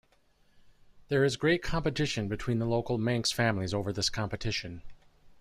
There is great competition between the local Manx families over this competition.